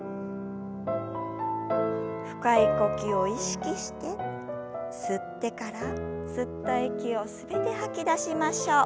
深い呼吸を意識して吸ってから吸った息を全て吐き出しましょう。